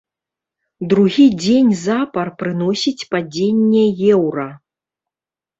Другі дзень запар прыносіць падзенне еўра.